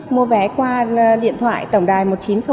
mua vé qua điện thoại tổng đài một